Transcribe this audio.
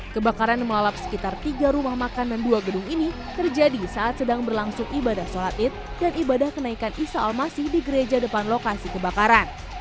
kebakaran melalap sekitar tiga rumah makan dan dua gedung ini terjadi saat sedang berlangsung ibadah sholat id dan ibadah kenaikan isa al masih di gereja depan lokasi kebakaran